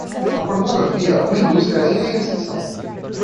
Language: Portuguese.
A pornografia é uma indústria ainda em ascensão